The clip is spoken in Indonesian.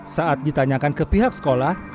saat ditanyakan ke pihak sekolah